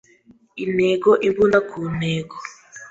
Intego imbunda ku ntego.